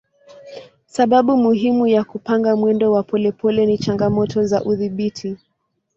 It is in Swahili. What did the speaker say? Sababu muhimu ya kupanga mwendo wa polepole ni changamoto za udhibiti.